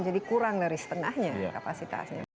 jadi kurang dari setengahnya kapasitasnya